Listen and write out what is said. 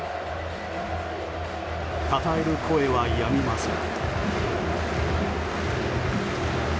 たたえる声はやみません。